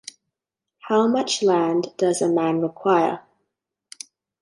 How Much Land Does a Man Require?